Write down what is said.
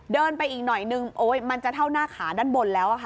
เดินไปอีกหน่อยนึงมันจะเท่าหน้าขาด้านบนแล้วค่ะ